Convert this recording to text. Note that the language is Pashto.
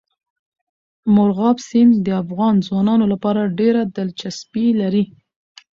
مورغاب سیند د افغان ځوانانو لپاره ډېره دلچسپي لري.